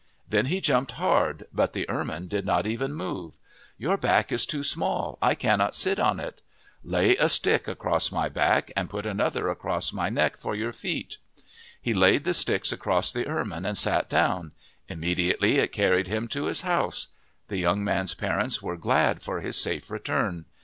Then he jumped hard, but the ermine did not even move. " Your back is too small. I cannot sit on it." I 12 OF THE PACIFIC NORTHWEST " Lay a stick across my back, and put another across my neck for your feet." He laid the sticks across the ermine and sat down. Immediately it carried him to his house. The young man's parents were glad for his safe return.